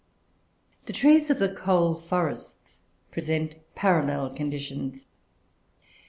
The trees of the coal forests present parallel conditions.